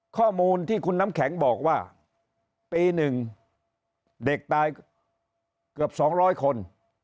ข้อมูลที่คุณน้ำแข็งบอกว่าปีหนึ่งเด็กตายเกือบ๒๐๐คน